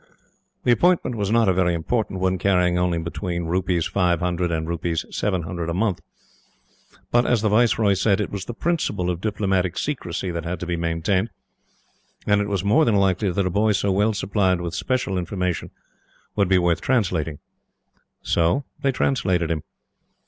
The appointment was not a very important one, carrying only between Rs. 500 and Rs. 700 a month; but, as the Viceroy said, it was the principle of diplomatic secrecy that had to be maintained, and it was more than likely that a boy so well supplied with special information would be worth translating. So they translated him.